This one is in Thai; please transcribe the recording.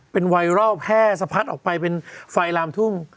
เป็นไวรัลแพร่สะพัดออกไปเป็นไฟลามทุ่ง